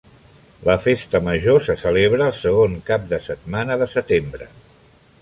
La Festa Major se celebra el segon cap de setmana de setembre.